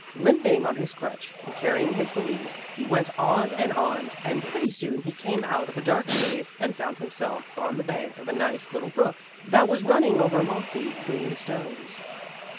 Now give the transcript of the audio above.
Limping on his crutch, and carrying his valise, he went on and on, and pretty soon he came out of a dark cave and found himself on the bank of a nice little brook, that was running over mossy, green stones.